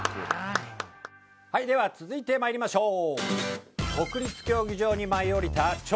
はいでは続いて参りましょう。